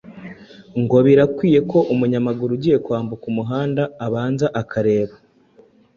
ngo birakwiye ko umunyamaguru ugiye kwambuka umuhanda abanza akareba